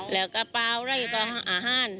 แล้วก็กระเป๋าแล้วก็อาหาร